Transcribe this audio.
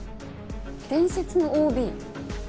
「伝説のＯＢ」？